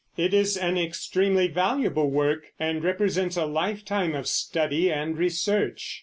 It is an extremely valuable work and represents a lifetime of study and research.